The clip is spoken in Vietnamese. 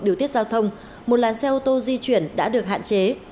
điều tiết giao thông một làn xe ô tô di chuyển đã được hạn chế